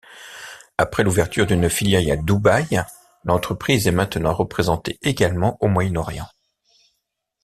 Après l’ouverture d’une filiale à Dubaï, l’entreprise est maintenant représentée également au Moyen-Orient.